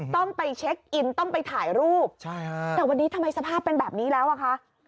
ต้องไปเช็คอินต้องไปถ่ายรูปใช่ฮะแต่วันนี้ทำไมสภาพเป็นแบบนี้แล้วอ่ะคะ